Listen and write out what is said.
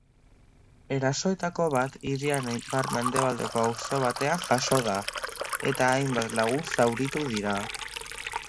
Erasoetako bat hiriaren ipar-mendebaldeko auzo batean jazo da eta hainbat lagun zauritu dira.